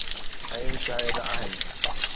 ۽ شايد آهن.